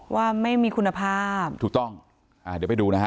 ว่าไม่มีคุณภาพถูกต้องอ่าเดี๋ยวไปดูนะฮะ